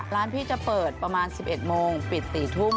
ร้านพี่จะเปิดประมาณ๑๑โมงปิด๔ทุ่ม